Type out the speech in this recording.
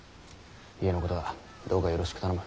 家のことはどうかよろしく頼む。